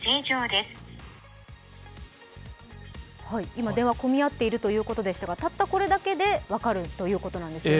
今、電話が混み合っているということでしたがたったこれだけで分かるということなんですね。